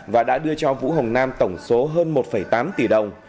và đã đưa cho vũ hồng nam tổng số hơn một tám tỷ đồng